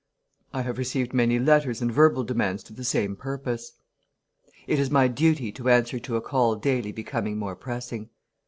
I have received many letters and verbal demands to the same purpose. It is my duty to answer to a call daily becoming more pressing.